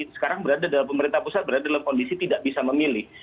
sekarang pemerintah pusat berada dalam kondisi tidak bisa memilih